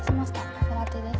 カフェラテです。